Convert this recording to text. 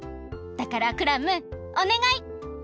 だからクラムおねがい！